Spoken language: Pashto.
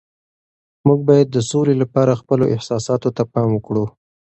موږ باید د سولي لپاره خپلو احساساتو ته پام وکړو.